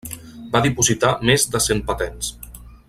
Va dipositar més de cent patents.